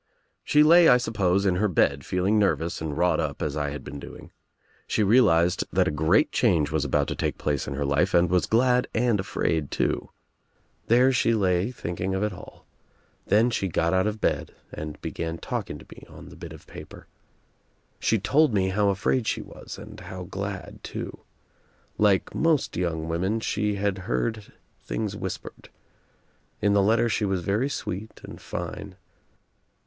She lay, I sup pose, in her bed feeling nervous and wrought up as I had been doing. She realized that a great change was about to take place in her life and was glad and afraid too. There she lay thinking of it all. Then she got out of bed and began talking to me on the bit of paper. She told me how afraid she was and how glad too. Like most young women she had heard things whispered. In the letter she was very sweet and fine.